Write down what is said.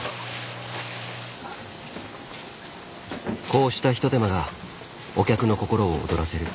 こうした一手間がお客の心を躍らせる。